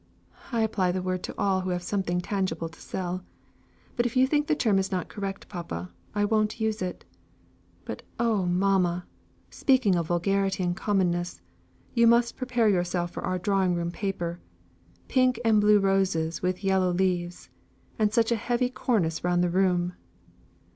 I apply the word to all who have something tangible to sell; but if you think the term is not correct, papa, I won't use it. But, oh mamma! speaking of vulgarity and commonness, you must prepare yourself for our drawing room paper. Pink and blue roses, with yellow leaves! And such a heavy cornice round the room!"